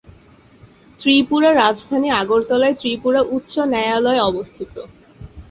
ত্রিপুরা রাজধানী আগরতলায় ত্রিপুরা উচ্চ ন্যায়ালয় অবস্থিত।